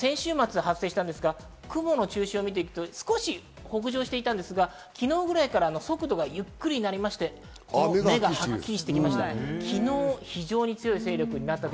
雲の様子を見てきますと、雲の中心を見ていくと少し北上していたんですが、昨日くらいから速度がゆっくりになり、目がはっきりしてきました。